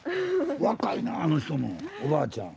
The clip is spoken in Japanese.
若いなあの人もおばあちゃん。